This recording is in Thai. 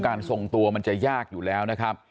วันนี้เราจะมาเมื่อไหร่